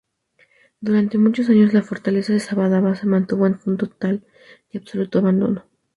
Durante muchos años la fortaleza de Sádaba se mantuvo en total y absoluto abandono.